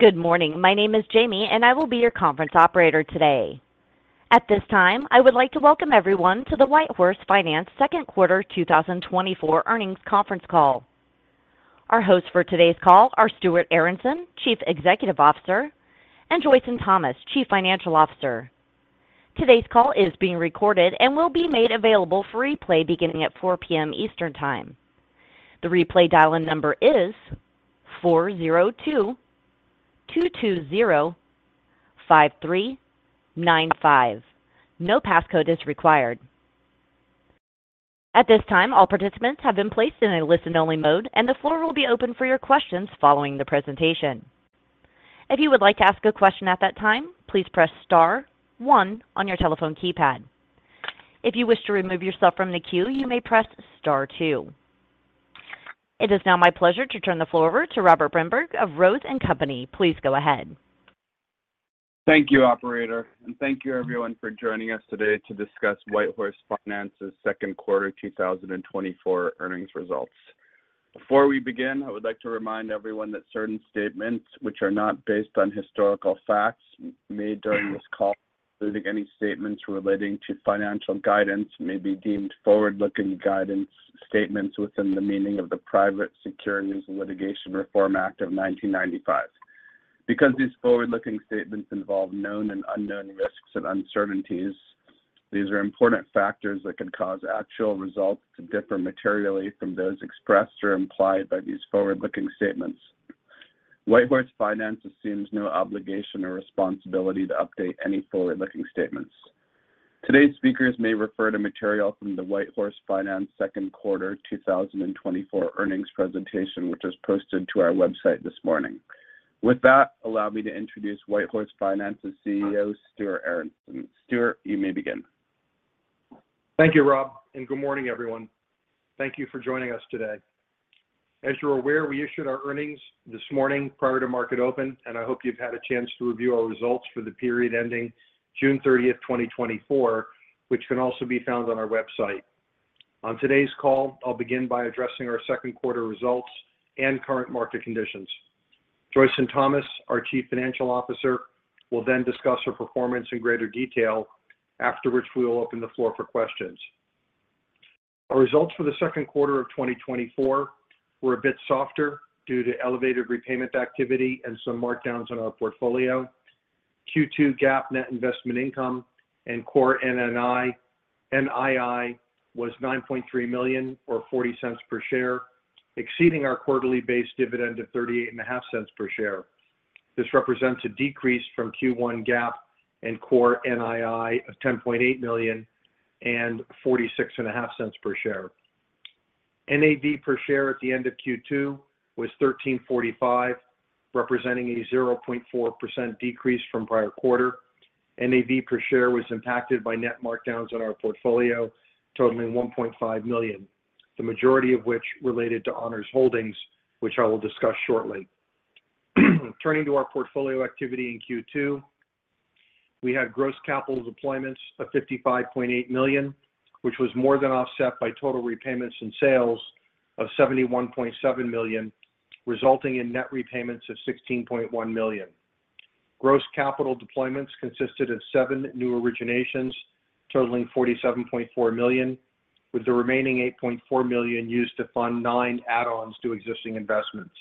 Good morning. My name is Jamie, and I will be your conference operator today. At this time, I would like to welcome everyone to the WhiteHorse Finance Second Quarter 2024 Earnings Conference Call. Our hosts for today's call are Stuart Aronson, Chief Executive Officer, and Joyson Thomas, Chief Financial Officer. Today's call is being recorded and will be made available for replay beginning at 4 P.M. Eastern Time. The replay dial-in number is 402-220-5395. No passcode is required. At this time, all participants have been placed in a listen-only mode, and the floor will be open for your questions following the presentation. If you would like to ask a question at that time, please press star one on your telephone keypad. If you wish to remove yourself from the queue, you may press star two. It is now my pleasure to turn the floor over to Robert Brinberg of Rose & Company. Please go ahead. Thank you, operator, and thank you everyone for joining us today to discuss WhiteHorse Finance's second quarter 2024 earnings results. Before we begin, I would like to remind everyone that certain statements which are not based on historical facts made during this call, including any statements relating to financial guidance, may be deemed forward-looking guidance statements within the meaning of the Private Securities Litigation Reform Act of 1995. Because these forward-looking statements involve known and unknown risks and uncertainties, these are important factors that could cause actual results to differ materially from those expressed or implied by these forward-looking statements. WhiteHorse Finance assumes no obligation or responsibility to update any forward-looking statements. Today's speakers may refer to material from the WhiteHorse Finance second quarter 2024 earnings presentation, which was posted to our website this morning. With that, allow me to introduce WhiteHorse Finance's CEO, Stuart Aronson. Stuart, you may begin. Thank you, Rob, and good morning, everyone. Thank you for joining us today. As you're aware, we issued our earnings this morning prior to market open, and I hope you've had a chance to review our results for the period ending June 30, 2024, which can also be found on our website. On today's call, I'll begin by addressing our second quarter results and current market conditions. Joyson Thomas, our Chief Financial Officer, will then discuss her performance in greater detail, after which we will open the floor for questions. Our results for the second quarter of 2024 were a bit softer due to elevated repayment activity and some markdowns on our portfolio. Q2 GAAP net investment income and core NII was $9.3 million, or $0.40 per share, exceeding our quarterly base dividend of $0.385 per share. This represents a decrease from Q1 GAAP and core NII of $10.8 million and $0.465 per share. NAV per share at the end of Q2 was $13.45, representing a 0.4% decrease from prior quarter. NAV per share was impacted by net markdowns on our portfolio, totaling $1.5 million, the majority of which related to Honors Holdings, which I will discuss shortly. Turning to our portfolio activity in Q2, we had gross capital deployments of $55.8 million, which was more than offset by total repayments and sales of $71.7 million, resulting in net repayments of $16.1 million. Gross capital deployments consisted of 7 new originations, totaling $47.4 million, with the remaining $8.4 million used to fund 9 add-ons to existing investments.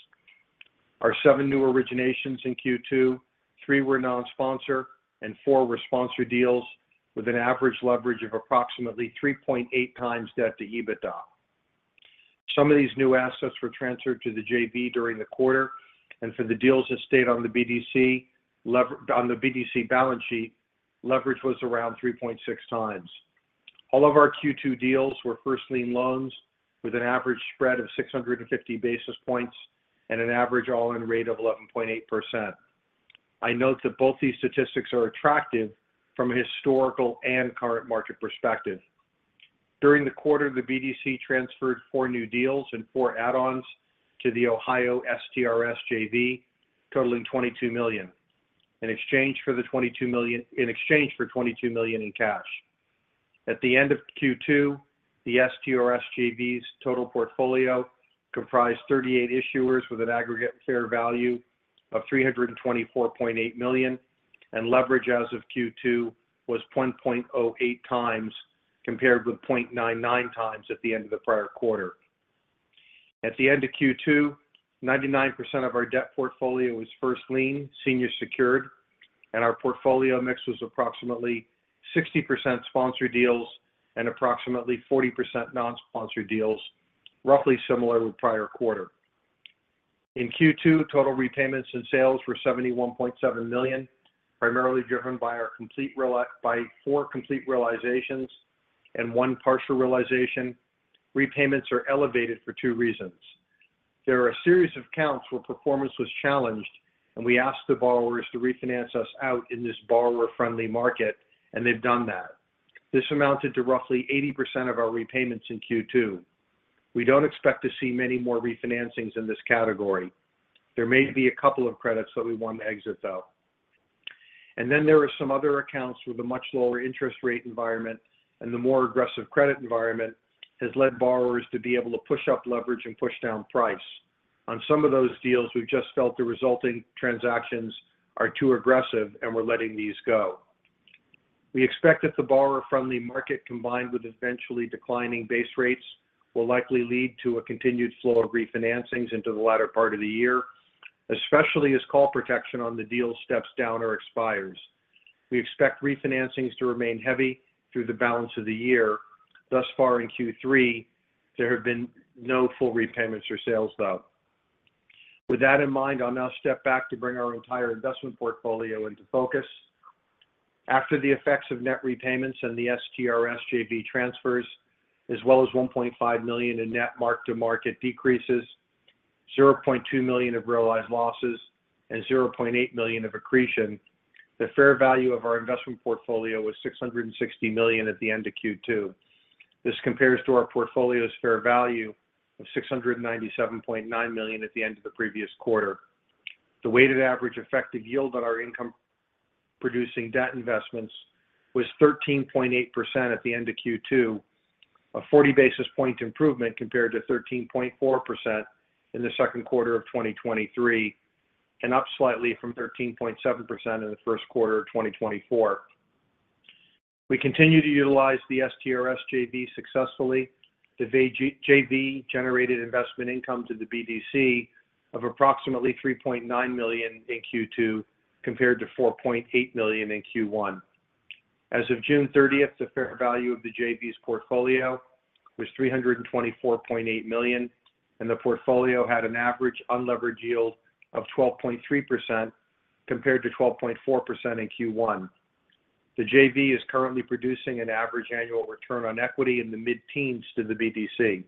Our 7 new originations in Q2, 3 were non-sponsor and 4 were sponsor deals, with an average leverage of approximately 3.8x debt to EBITDA. Some of these new assets were transferred to the JV during the quarter, and for the deals that stayed on the BDC balance sheet, leverage was around 3.6x. All of our Q2 deals were first lien loans with an average spread of 650 basis points and an average all-in rate of 11.8%. I note that both these statistics are attractive from a historical and current market perspective. During the quarter, the BDC transferred 4 new deals and 4 add-ons to the Ohio STRS JV, totaling $22 million. In exchange for $22 million in cash. At the end of Q2, the STRS JV's total portfolio comprised 38 issuers with an aggregate fair value of $324.8 million, and leverage as of Q2 was 1.08x, compared with 0.99x at the end of the prior quarter. At the end of Q2, 99% of our debt portfolio was first lien, senior secured, and our portfolio mix was approximately 60% sponsored deals and approximately 40% non-sponsored deals, roughly similar to the prior quarter. In Q2, total repayments and sales were $71.7 million, primarily driven by four complete realizations and one partial realization. Repayments are elevated for two reasons. There are a series of accounts where performance was challenged, and we asked the borrowers to refinance us out in this borrower-friendly market, and they've done that. This amounted to roughly 80% of our repayments in Q2. We don't expect to see many more refinancings in this category. There may be a couple of credits that we want to exit, though. And then there are some other accounts with a much lower interest rate environment, and the more aggressive credit environment has led borrowers to be able to push up leverage and push down price. On some of those deals, we've just felt the resulting transactions are too aggressive, and we're letting these go. We expect that the borrower-friendly market, combined with eventually declining base rates, will likely lead to a continued flow of refinancings into the latter part of the year, especially as call protection on the deal steps down or expires. We expect refinancings to remain heavy through the balance of the year. Thus far in Q3, there have been no full repayments or sales, though. With that in mind, I'll now step back to bring our entire investment portfolio into focus. After the effects of net repayments and the STRS JV transfers, as well as $1.5 million in net mark-to-market decreases, $0.2 million of realized losses, and $0.8 million of accretion, the fair value of our investment portfolio was $660 million at the end of Q2. This compares to our portfolio's fair value of $697.9 million at the end of the previous quarter. The weighted average effective yield on our income-producing debt investments was 13.8% at the end of Q2, a 40 basis point improvement compared to 13.4% in the second quarter of 2023, and up slightly from 13.7% in the first quarter of 2024. We continue to utilize the STRS JV successfully. The JV generated investment income to the BDC of approximately $3.9 million in Q2, compared to $4.8 million in Q1. As of June 30, the fair value of the JV's portfolio was $324.8 million, and the portfolio had an average unlevered yield of 12.3%, compared to 12.4% in Q1. The JV is currently producing an average annual return on equity in the mid-teens to the BDC.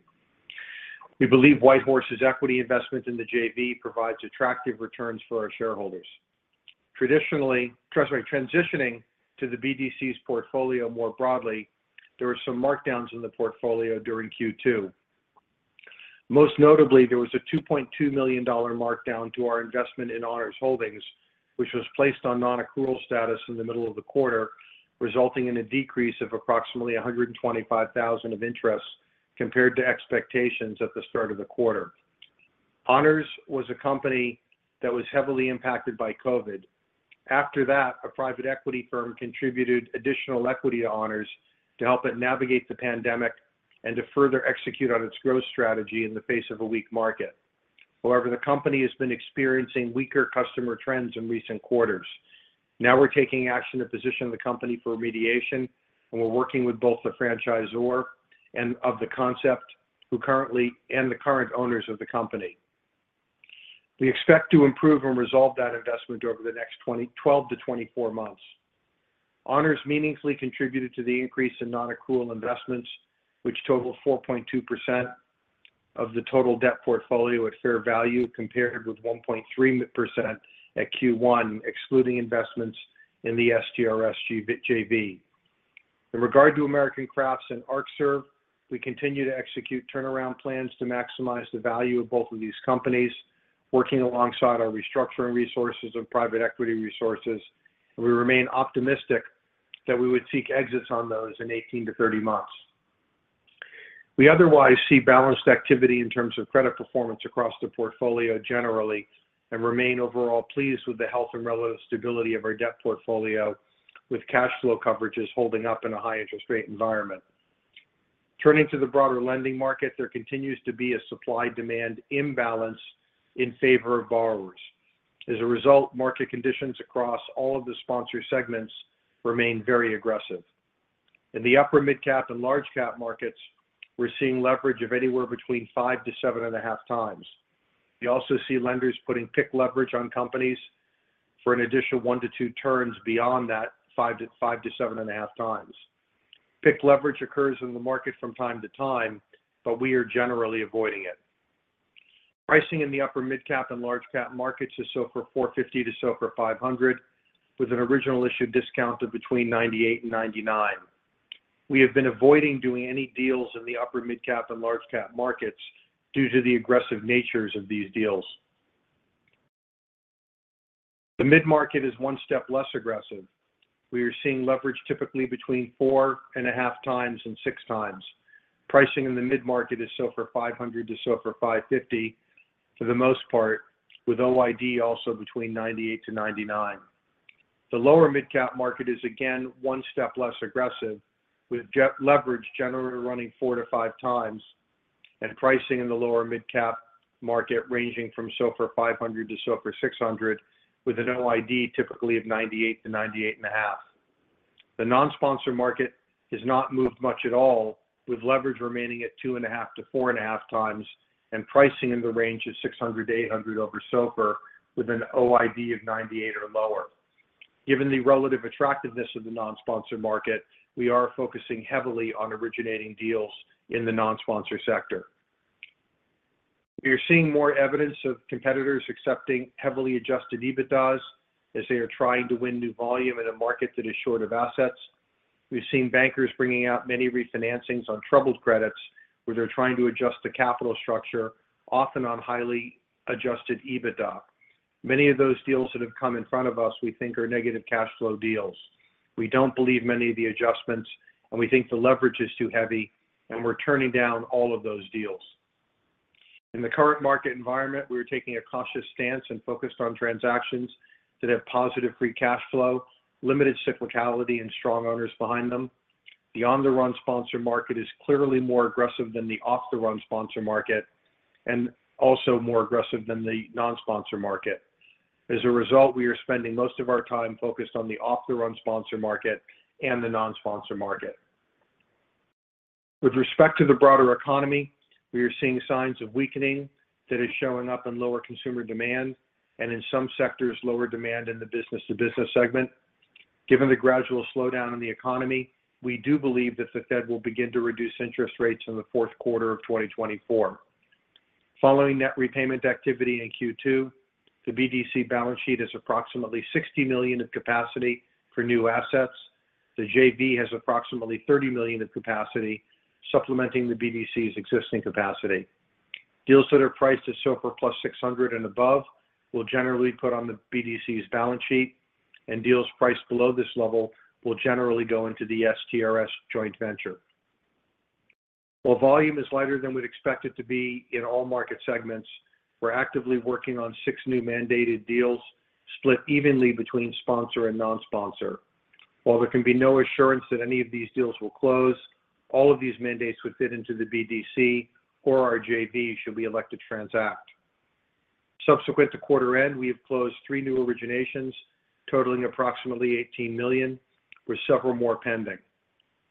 We believe WhiteHorse's equity investment in the JV provides attractive returns for our shareholders. Traditionally, transitioning to the BDC's portfolio more broadly, there were some markdowns in the portfolio during Q2. Most notably, there was a $2.2 million markdown to our investment in Honors Holdings, which was placed on non-accrual status in the middle of the quarter, resulting in a decrease of approximately $125,000 of interest compared to expectations at the start of the quarter. Honors was a company that was heavily impacted by COVID. After that, a private equity firm contributed additional equity to Honors to help it navigate the pandemic and to further execute on its growth strategy in the face of a weak market. However, the company has been experiencing weaker customer trends in recent quarters. Now we're taking action to position the company for remediation, and we're working with both the franchisor and of the concept, who currently and the current owners of the company. We expect to improve and resolve that investment over the next 12-24 months. Honors meaningfully contributed to the increase in non-accrual investments, which total 4.2% of the total debt portfolio at fair value, compared with 1.3% at Q1, excluding investments in the STRS JV. In regard to American Crafts and Arcserve, we continue to execute turnaround plans to maximize the value of both of these companies, working alongside our restructuring resources and private equity resources, and we remain optimistic that we would seek exits on those in 18-30 months. We otherwise see balanced activity in terms of credit performance across the portfolio generally, and remain overall pleased with the health and relative stability of our debt portfolio, with cash flow coverages holding up in a high interest rate environment. Turning to the broader lending market, there continues to be a supply-demand imbalance in favor of borrowers. As a result, market conditions across all of the sponsor segments remain very aggressive. In the upper mid-cap and large cap markets, we're seeing leverage of anywhere between 5-7.5x. You also see lenders putting PIK leverage on companies for an additional 1-2 turns beyond that 5-7.5x. PIK leverage occurs in the market from time to time, but we are generally avoiding it. Pricing in the upper mid-cap and large cap markets is SOFR 450 to SOFR 500, with an original issue discount of between 98 and 99. We have been avoiding doing any deals in the upper midcap and large cap markets due to the aggressive natures of these deals. The mid-market is one step less aggressive. We are seeing leverage typically between 4.5x and 6x. Pricing in the mid-market is SOFR 500 to SOFR 550, for the most part, with OID also between 98-99. The lower mid-cap market is again one step less aggressive, with leverage generally running 4x-5x, and pricing in the lower midcap market ranging from SOFR 500 to SOFR 600, with an OID typically of 98-98.5. The non-sponsor market has not moved much at all, with leverage remaining at 2.5-4.5 times, and pricing in the range of 600-800 over SOFR, with an OID of 98 or lower. Given the relative attractiveness of the non-sponsor market, we are focusing heavily on originating deals in the non-sponsor sector. We are seeing more evidence of competitors accepting heavily adjusted EBITDAs as they are trying to win new volume in a market that is short of assets.... We've seen bankers bringing out many refinancings on troubled credits, where they're trying to adjust the capital structure, often on highly adjusted EBITDA. Many of those deals that have come in front of us, we think are negative cash flow deals. We don't believe many of the adjustments, and we think the leverage is too heavy, and we're turning down all of those deals. In the current market environment, we are taking a cautious stance and focused on transactions that have positive free cash flow, limited cyclicality, and strong owners behind them. The on-the-run sponsor market is clearly more aggressive than the off-the-run sponsor market, and also more aggressive than the non-sponsor market. As a result, we are spending most of our time focused on the off-the-run sponsor market and the non-sponsor market. With respect to the broader economy, we are seeing signs of weakening that is showing up in lower consumer demand, and in some sectors, lower demand in the business-to-business segment. Given the gradual slowdown in the economy, we do believe that the Fed will begin to reduce interest rates in the fourth quarter of 2024. Following net repayment activity in Q2, the BDC balance sheet is approximately $60 million in capacity for new assets. The JV has approximately $30 million in capacity, supplementing the BDC's existing capacity. Deals that are priced at SOFR plus 600 and above will generally put on the BDC's balance sheet, and deals priced below this level will generally go into the STRS Joint Venture. While volume is lighter than we'd expect it to be in all market segments, we're actively working on 6 new mandated deals, split evenly between sponsor and non-sponsor. While there can be no assurance that any of these deals will close, all of these mandates would fit into the BDC or our JV, should we elect to transact. Subsequent to quarter end, we have closed 3 new originations, totaling approximately $18 million, with several more pending.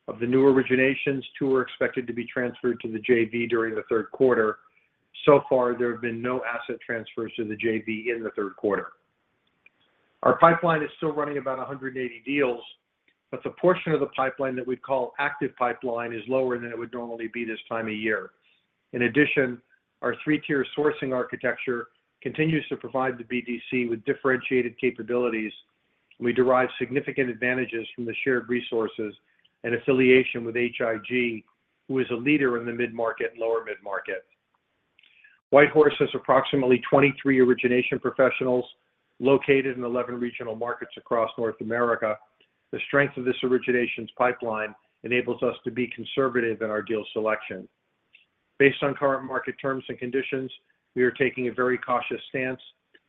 Of the new originations, two are expected to be transferred to the JV during the third quarter. So far, there have been no asset transfers to the JV in the third quarter. Our pipeline is still running about 180 deals, but the portion of the pipeline that we'd call active pipeline is lower than it would normally be this time of year. In addition, our three-tier sourcing architecture continues to provide the BDC with differentiated capabilities. We derive significant advantages from the shared resources and affiliation with H.I.G., who is a leader in the mid-market and lower mid-market. WhiteHorse has approximately 23 origination professionals located in 11 regional markets across North America. The strength of this originations pipeline enables us to be conservative in our deal selection. Based on current market terms and conditions, we are taking a very cautious stance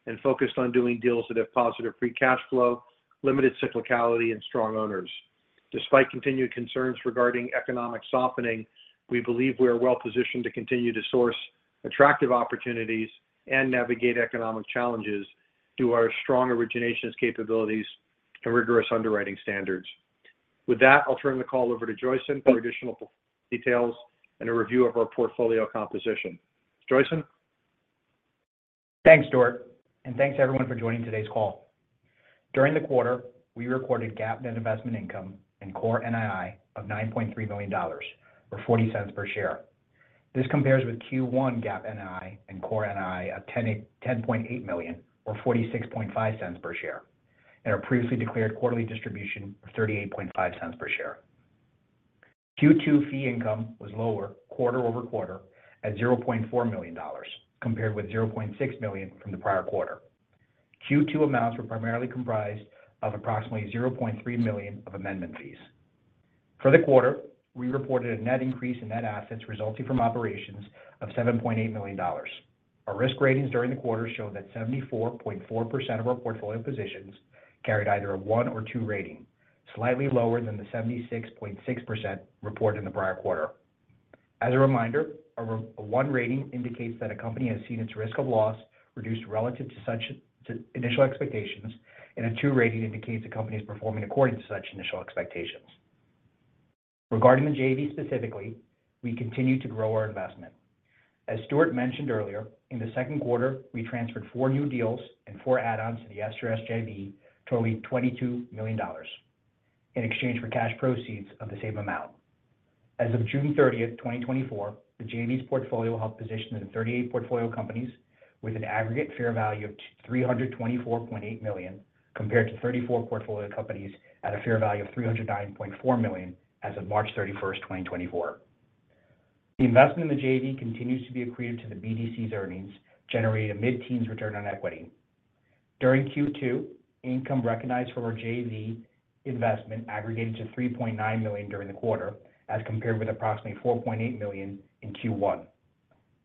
and focused on doing deals that have positive free cash flow, limited cyclicality, and strong owners. Despite continued concerns regarding economic softening, we believe we are well-positioned to continue to source attractive opportunities and navigate economic challenges through our strong originations capabilities and rigorous underwriting standards. With that, I'll turn the call over to Joyson for additional details and a review of our portfolio composition. Joyson? Thanks, Stuart, and thanks everyone for joining today's call. During the quarter, we recorded GAAP net investment income and core NII of $9.3 million, or $0.40 per share. This compares with Q1 GAAP NII and core NII of $10.8 million, or $0.465 per share, and our previously declared quarterly distribution of $0.385 per share. Q2 fee income was lower quarter-over-quarter at $0.4 million, compared with $0.6 million from the prior quarter. Q2 amounts were primarily comprised of approximately $0.3 million of amendment fees. For the quarter, we reported a net increase in net assets resulting from operations of $7.8 million. Our risk ratings during the quarter showed that 74.4% of our portfolio positions carried either a 1 or 2 rating, slightly lower than the 76.6% reported in the prior quarter. As a reminder, a 1 rating indicates that a company has seen its risk of loss reduced relative to such initial expectations, and a 2 rating indicates the company is performing according to such initial expectations. Regarding the JV specifically, we continue to grow our investment. As Stuart mentioned earlier, in the second quarter, we transferred 4 new deals and 4 add-ons to the STRS JV, totaling $22 million in exchange for cash proceeds of the same amount. As of June 30, 2024, the JV's portfolio held positions in 38 portfolio companies with an aggregate fair value of $324.8 million, compared to 34 portfolio companies at a fair value of $309.4 million as of March 31, 2024. The investment in the JV continues to be accretive to the BDC's earnings, generating a mid-teens return on equity. During Q2, income recognized from our JV investment aggregated to $3.9 million during the quarter, as compared with approximately $4.8 million in Q1.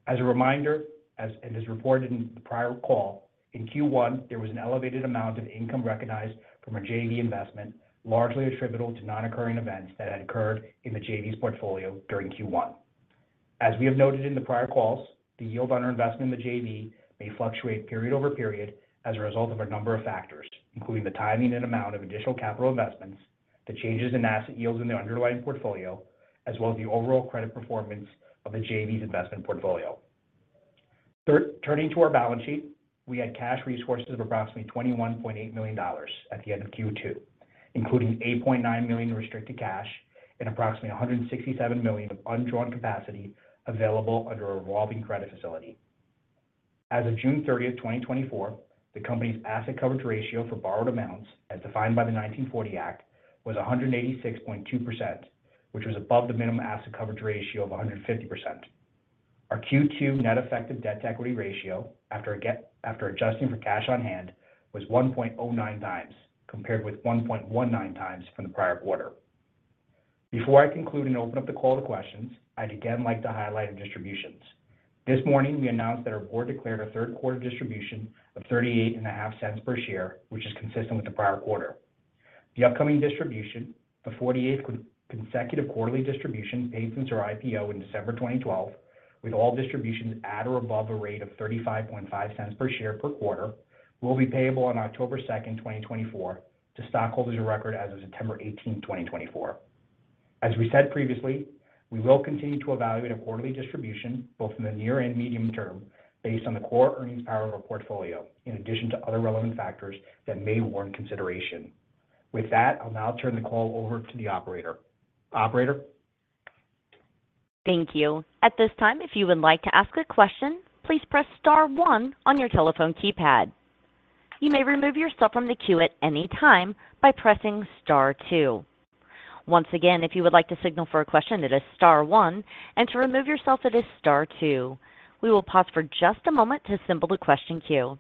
As a reminder, as it is reported in the prior call, in Q1, there was an elevated amount of income recognized from our JV investment, largely attributable to non-recurring events that had occurred in the JV's portfolio during Q1. As we have noted in the prior calls, the yield on our investment in the JV may fluctuate period over period as a result of a number of factors, including the timing and amount of additional capital investments, the changes in asset yields in the underlying portfolio, as well as the overall credit performance of the JV's investment portfolio. Turning to our balance sheet, we had cash resources of approximately $21.8 million at the end of Q2, including $8.9 million in restricted cash and approximately $167 million of undrawn capacity available under a revolving credit facility.... As of June thirtieth, 2024, the company's asset coverage ratio for borrowed amounts, as defined by the 1940 Act, was 186.2%, which was above the minimum asset coverage ratio of 150%. Our Q2 net effective debt to equity ratio, after adjusting for cash on hand, was 1.09 times, compared with 1.19 times from the prior quarter. Before I conclude and open up the call to questions, I'd again like to highlight our distributions. This morning, we announced that our board declared a third quarter distribution of $0.385 per share, which is consistent with the prior quarter. The upcoming distribution, the 48th consecutive quarterly distribution paid since our IPO in December 2012, with all distributions at or above a rate of $0.355 per share per quarter, will be payable on October 2, 2024, to stockholders of record as of September 18, 2024. As we said previously, we will continue to evaluate a quarterly distribution, both in the near and medium term, based on the core earnings power of our portfolio, in addition to other relevant factors that may warrant consideration. With that, I'll now turn the call over to the operator. Operator? Thank you. At this time, if you would like to ask a question, please press star one on your telephone keypad. You may remove yourself from the queue at any time by pressing star two. Once again, if you would like to signal for a question, it is star one, and to remove yourself, it is star two. We will pause for just a moment to assemble the question queue.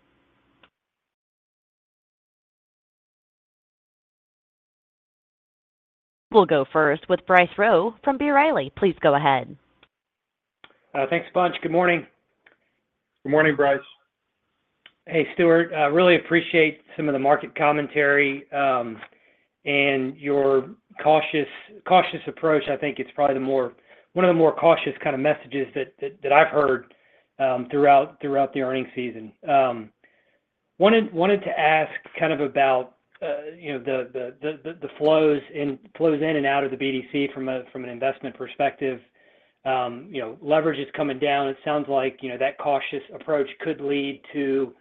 We'll go first with Bryce Rowe from B. Riley. Please go ahead. Thanks a bunch. Good morning. Good morning, Bryce. Hey, Stuart, I really appreciate some of the market commentary and your cautious approach. I think it's probably one of the more cautious kind of messages that I've heard throughout the earnings season. Wanted to ask kind of about, you know, the flows in and out of the BDC from an investment perspective. You know, leverage is coming down. It sounds like, you know, that cautious approach could lead to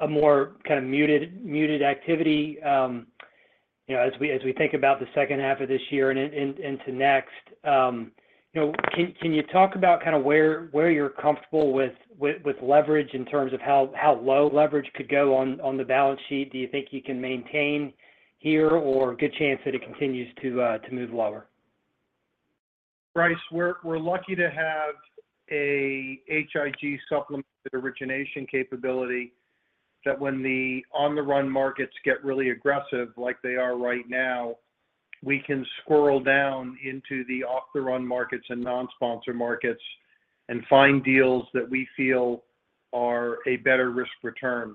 a more kind of muted activity. You know, as we think about the second half of this year and to next, you know, can you talk about kind of where you're comfortable with leverage in terms of how low leverage could go on the balance sheet? Do you think you can maintain here or good chance that it continues to move lower? Bryce, we're lucky to have a H.I.G. supplemented origination capability that when the on-the-run markets get really aggressive, like they are right now, we can squirrel down into the off-the-run markets and non-sponsor markets and find deals that we feel are a better risk return.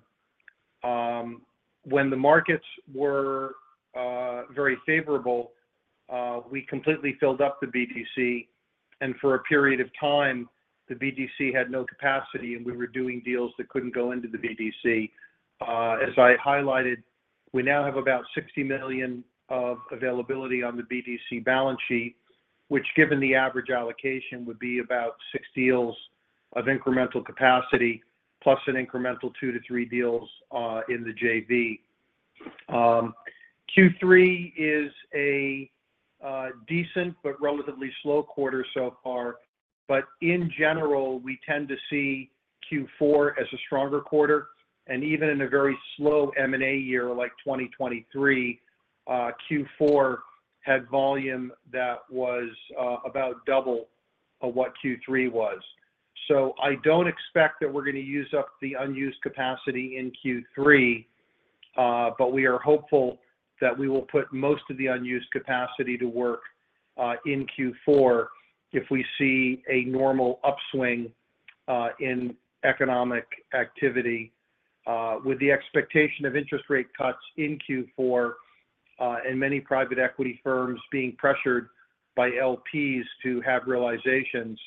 When the markets were very favorable, we completely filled up the BDC, and for a period of time, the BDC had no capacity, and we were doing deals that couldn't go into the BDC. As I highlighted, we now have about $60 million of availability on the BDC balance sheet, which, given the average allocation, would be about six deals of incremental capacity, plus an incremental two to three deals in the JV. Q3 is a decent but relatively slow quarter so far, but in general, we tend to see Q4 as a stronger quarter, and even in a very slow M&A year like 2023, Q4 had volume that was about double of what Q3 was. So I don't expect that we're going to use up the unused capacity in Q3, but we are hopeful that we will put most of the unused capacity to work in Q4 if we see a normal upswing in economic activity. With the expectation of interest rate cuts in Q4, and many private equity firms being pressured by LPs to have realizations,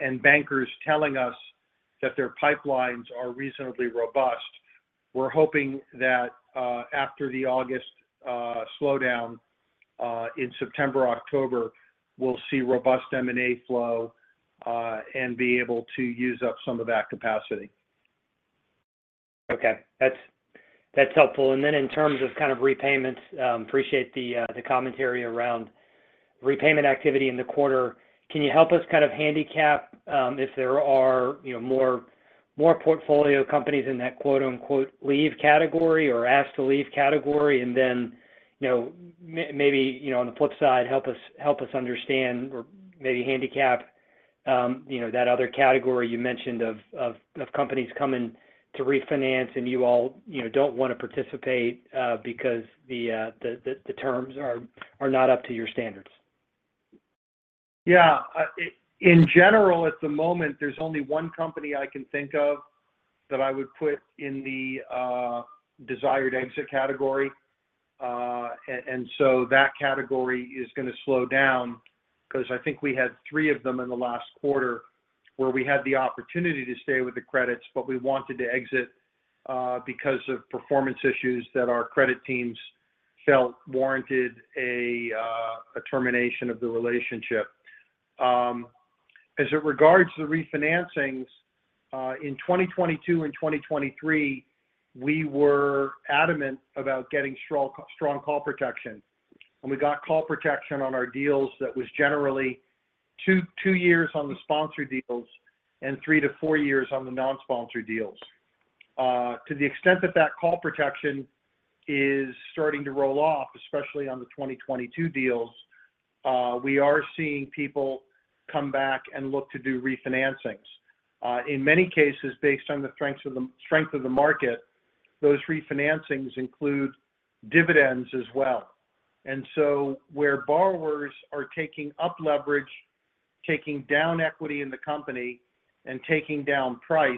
and bankers telling us that their pipelines are reasonably robust, we're hoping that, after the August slowdown, in September or October, we'll see robust M&A flow, and be able to use up some of that capacity. Okay. That's, that's helpful. And then in terms of kind of repayments, appreciate the commentary around repayment activity in the quarter. Can you help us kind of handicap if there are, you know, more portfolio companies in that quote-unquote "leave category" or ask-to-leave category? And then, you know, maybe, you know, on the flip side, help us understand or maybe handicap, you know, that other category you mentioned of companies coming to refinance, and you all, you know, don't want to participate because the terms are not up to your standards. Yeah. In general, at the moment, there's only one company I can think of that I would put in the desired exit category. And so that category is gonna slow down, 'cause I think we had three of them in the last quarter, where we had the opportunity to stay with the credits, but we wanted to exit because of performance issues that our credit teams felt warranted a termination of the relationship. As it regards the refinancings in 2022 and 2023, we were adamant about getting strong, strong call protection, and we got call protection on our deals that was generally 2 years on the sponsored deals and 3-4 years on the non-sponsored deals. To the extent that that call protection is starting to roll off, especially on the 2022 deals, we are seeing people come back and look to do refinancings. In many cases, based on the strength of the market, those refinancings include dividends as well. And so where borrowers are taking up leverage, taking down equity in the company, and taking down price,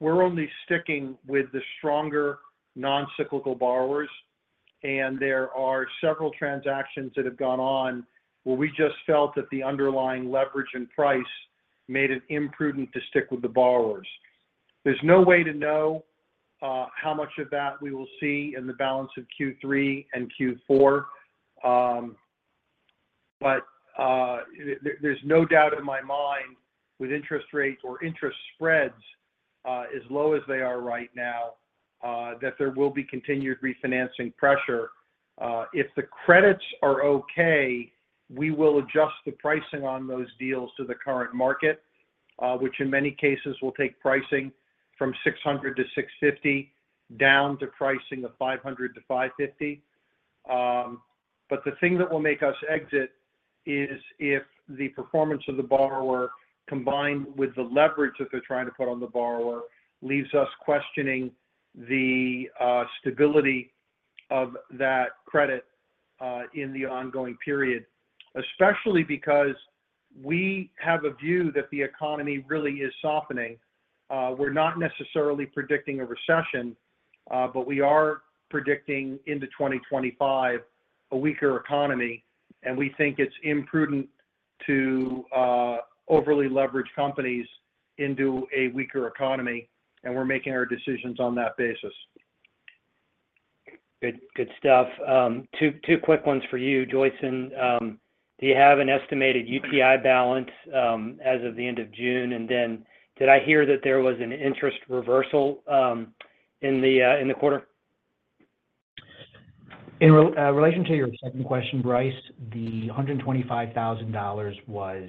we're only sticking with the stronger, non-cyclical borrowers. And there are several transactions that have gone on where we just felt that the underlying leverage and price made it imprudent to stick with the borrowers. There's no way to know how much of that we will see in the balance of Q3 and Q4. But, there, there's no doubt in my mind, with interest rates or interest spreads, as low as they are right now, that there will be continued refinancing pressure. If the credits are okay, we will adjust the pricing on those deals to the current market, which in many cases will take pricing from 600 to 650, down to pricing of 500-550. But the thing that will make us exit is if the performance of the borrower, combined with the leverage that they're trying to put on the borrower, leaves us questioning the stability of that credit, in the ongoing period. Especially because we have a view that the economy really is softening. We're not necessarily predicting a recession, but we are predicting into 2025 a weaker economy, and we think it's imprudent to overly leverage companies into a weaker economy, and we're making our decisions on that basis. Good, good stuff. Two quick ones for you, Joyson. Do you have an estimated UTI balance as of the end of June? And then, did I hear that there was an interest reversal in the quarter? In relation to your second question, Bryce, the $125,000 was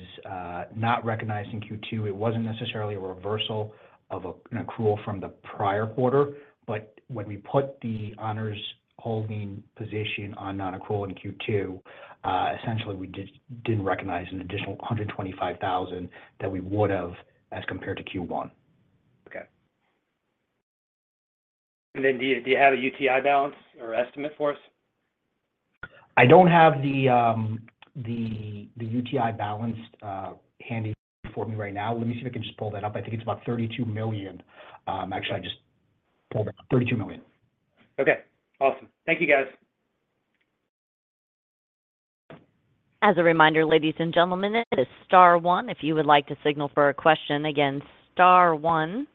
not recognized in Q2. It wasn't necessarily a reversal of an accrual from the prior quarter, but when we put the Honors Holdings position on non-accrual in Q2, essentially, we just didn't recognize an additional $125,000 that we would've as compared to Q1. Okay. Then, do you have a UTI balance or estimate for us? I don't have the UTI balance handy for me right now. Let me see if I can just pull that up. I think it's about $32 million. Actually, I just pulled it up, $32 million. Okay, awesome. Thank you, guys. As a reminder, ladies and gentlemen, it is star one if you would like to signal for a question. Again, star one.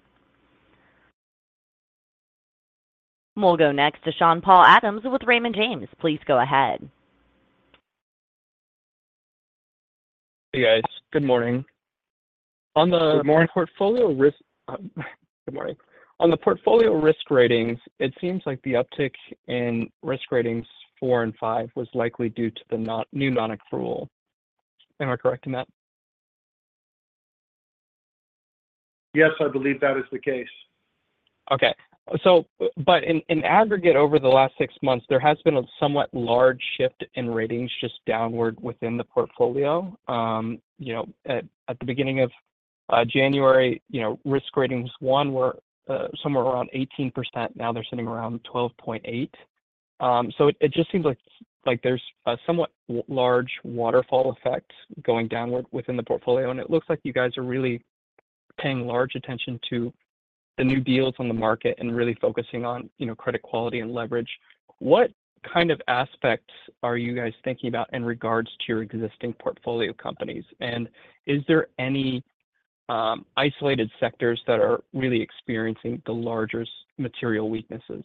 We'll go next to Sean-Paul Adams with Raymond James. Please go ahead. Hey, guys. Good morning. Good morning. On the portfolio risk, good morning. On the portfolio risk ratings, it seems like the uptick in risk ratings four and five was likely due to the new non-accrual. Am I correct in that? Yes, I believe that is the case. Okay. But in aggregate, over the last six months, there has been a somewhat large shift in ratings just downward within the portfolio. You know, at the beginning of January, you know, risk ratings one were somewhere around 18%, now they're sitting around 12.8%. So it just seems like, like there's a somewhat large waterfall effect going downward within the portfolio, and it looks like you guys are really paying large attention to the new deals on the market and really focusing on, you know, credit quality and leverage. What kind of aspects are you guys thinking about in regards to your existing portfolio companies? And is there any isolated sectors that are really experiencing the largest material weaknesses?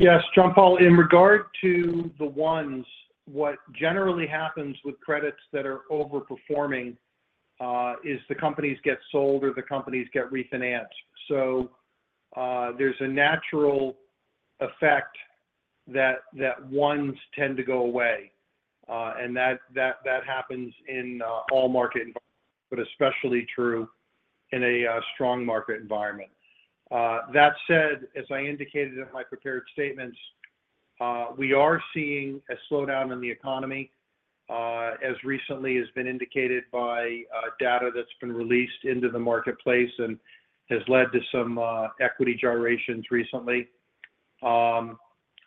Yes, Sean-Paul, in regard to the ones, what generally happens with credits that are overperforming is the companies get sold or the companies get refinanced. So, there's a natural effect that ones tend to go away and that happens in all market environments, but especially true in a strong market environment. That said, as I indicated in my prepared statements, we are seeing a slowdown in the economy as recently has been indicated by data that's been released into the marketplace and has led to some equity gyrations recently.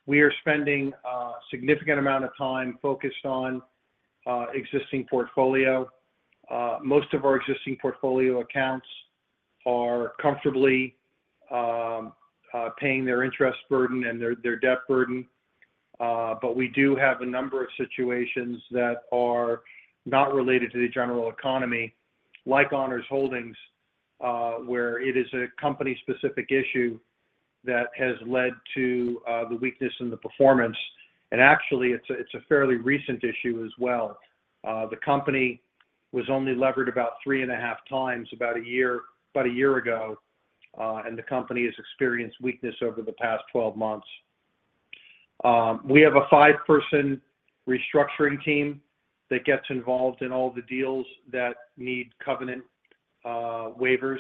We are spending a significant amount of time focused on existing portfolio. Most of our existing portfolio accounts are comfortably paying their interest burden and their debt burden. But we do have a number of situations that are not related to the general economy, like Honors Holdings, where it is a company-specific issue that has led to the weakness in the performance. And actually, it's a fairly recent issue as well. The company was only levered about 3.5 times about a year ago, and the company has experienced weakness over the past 12 months. We have a 5-person restructuring team that gets involved in all the deals that need covenant waivers.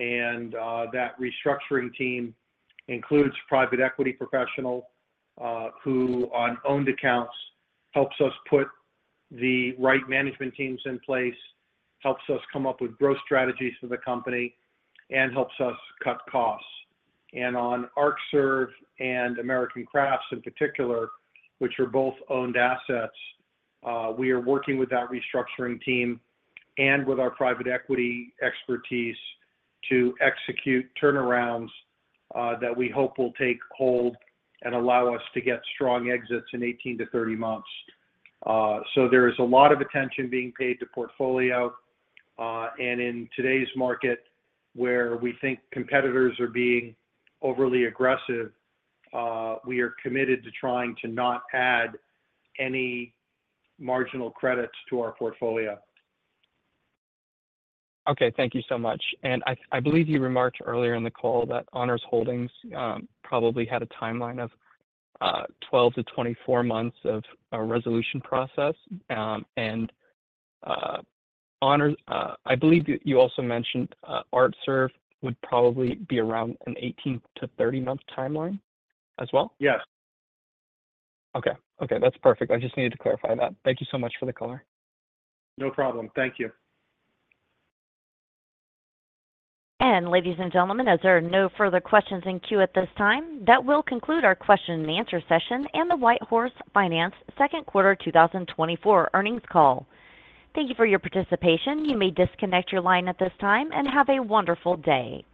And that restructuring team includes a private equity professional who, on owned accounts, helps us put the right management teams in place, helps us come up with growth strategies for the company, and helps us cut costs. And on Arcserve and American Crafts in particular, which are both owned assets, we are working with that restructuring team and with our private equity expertise to execute turnarounds that we hope will take hold and allow us to get strong exits in 18-30 months. So there is a lot of attention being paid to portfolio. And in today's market, where we think competitors are being overly aggressive, we are committed to trying to not add any marginal credits to our portfolio. Okay, thank you so much. And I believe you remarked earlier in the call that Honors Holdings probably had a timeline of 12-24 months of a resolution process. I believe you also mentioned Arcserve would probably be around an 18-30-month timeline as well? Yes. Okay. Okay, that's perfect. I just needed to clarify that. Thank you so much for the color. No problem. Thank you. Ladies and gentlemen, as there are no further questions in queue at this time, that will conclude our question and answer session and the WhiteHorse Finance second quarter 2024 earnings call. Thank you for your participation. You may disconnect your line at this time, and have a wonderful day.